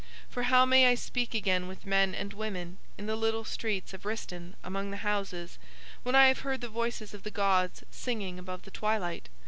For how may I speak again with men and women in the little streets of Rhistaun among the houses, when I have heard the voices of the gods singing above the twilight?